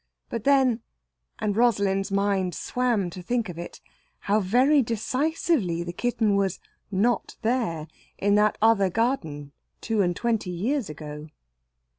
But then and Rosalind's mind swam to think of it how very decisively the kitten was "not there" in that other garden two and twenty years ago.